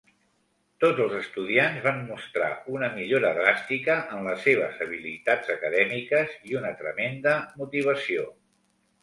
Tots els estudiants van mostrar una millora dràstica en les seves habilitats acadèmiques i una tremenda motivació.